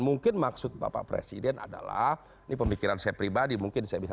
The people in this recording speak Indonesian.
mungkin maksud bapak presiden adalah ini pemikiran saya pribadi mungkin saya bisa